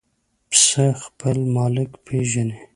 پسه خپل مالک پېژني.